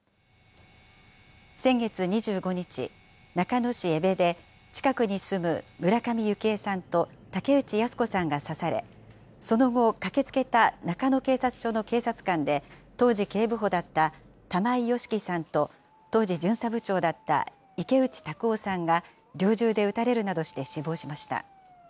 先月２５日、中野市江部で、近くに住む村上幸枝さんと竹内靖子さんが刺され、その後、駆けつけた中野警察署の警察官で当時、警部補だった玉井良樹さんと、当時巡査部長だった池内卓夫さんが猟銃で撃たれるなどして死亡しました。